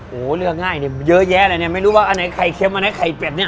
โอ้โหเลือกง่ายเนี่ยเยอะแยะเลยเนี่ยไม่รู้ว่าอันไหนไข่เค็มอันไหนไข่เป็ดเนี่ย